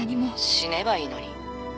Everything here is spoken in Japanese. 死ねばいいのに。